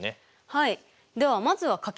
はい。